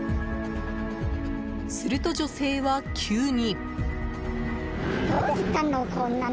すると、女性は急に。